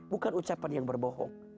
bukan ucapan yang berbohong